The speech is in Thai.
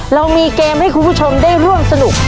เรามีเกมให้คุณผู้ชมได้ร่วมสนุก